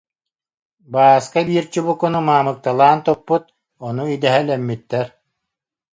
Бааска биир чубукуну маамыкталаан туппут, ону идэһэлэммиттэр